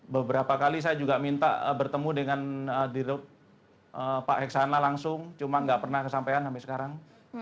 beberapa kali saya juga minta bertemu dengan dirut pak heksana langsung cuma nggak pernah kesampean sampai sekarang